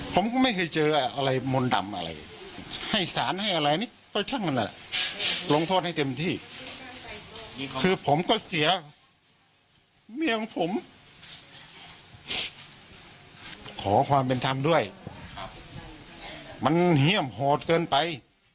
ผมก็ไม่เคยเจออะไรมนต์ดำอะไรให้สารให้อะไรนี่ก็ช่างนั่นแหละลงโทษให้เต็มที่คือผมก็เสียเมียของผมขอความเป็นธรรมด้วยมันเฮี่ยมโหดเกินไป